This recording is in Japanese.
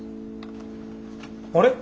あれ？